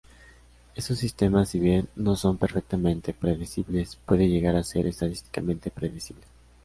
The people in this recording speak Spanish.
Esos sistemas si bien no son perfectamente predecibles pueden llegar a ser estadísticamente predecibles.